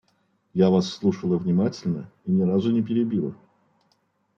Я Вас слушала внимательно и ни разу не перебила.